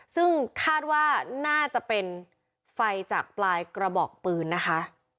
ซึ่งคาดว่าน่าจะเป็นไฟจากปลายกระบอกปืนนะคะ